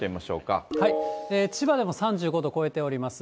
千葉でも３５度を超えております。